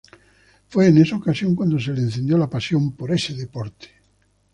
Fue en esa ocasión cuando se le encendió la pasión por ese deporte.